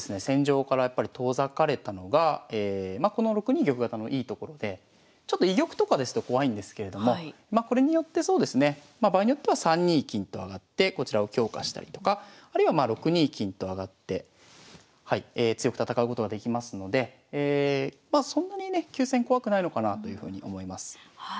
戦場からやっぱり遠ざかれたのがこの６二玉型のいいところで居玉とかですと怖いんですけれどもこれによってそうですねまあ場合によっては３二金と上がってこちらを強化したりとかあるいはまあ６二金と上がって強く戦うことができますのでそんなにね急戦怖くないのかなというふうに思います。